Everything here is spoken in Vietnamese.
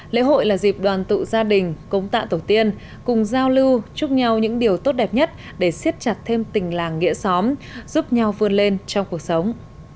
lễ hội là dịp đoàn tụ gia đình công tạ tổ tiên cùng giao lưu chúc nhau những điều tốt đẹp nhất để siết chặt thêm tình làng nghĩa xóm giúp nhau vươn lên trong cuộc sống